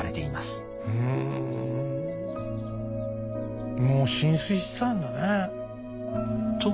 もう心酔してたんだね。